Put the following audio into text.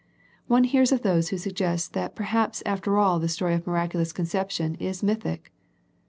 One hears of those who suggest that perhaps after all the story of miraculous conception is mythic.